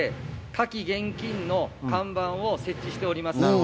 火器厳禁の看板を設置しております。